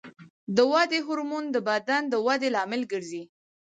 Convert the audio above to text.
د ودې هورمون د بدن د ودې لامل ګرځي.